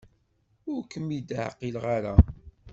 Ur kem-id-ɛqileɣ ara.